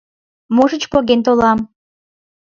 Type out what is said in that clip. Можыч, поген толам?